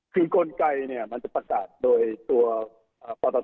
คือกลไกเนี่ยมันจะประกาศโดยตัวปต